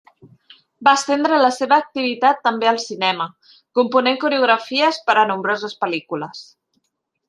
Va estendre la seva activitat també al cinema, component coreografies per a nombroses pel·lícules.